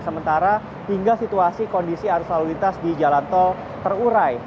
sementara hingga situasi kondisi arus lalu lintas di jalan tol terurai